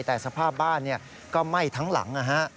แต่สภาพบ้านก็ไหม้ทั้งหลังนะฮะ